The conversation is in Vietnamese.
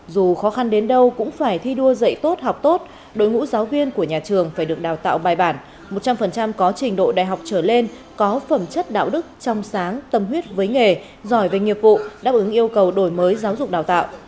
dù khó khăn đến đâu cũng phải thi đua dạy tốt học tốt đội ngũ giáo viên của nhà trường phải được đào tạo bài bản một trăm linh có trình độ đại học trở lên có phẩm chất đạo đức trong sáng tâm huyết với nghề giỏi về nghiệp vụ đáp ứng yêu cầu đổi mới giáo dục đào tạo